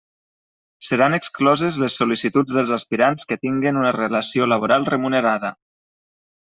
Seran excloses les sol·licituds dels aspirants que tinguen una relació laboral remunerada.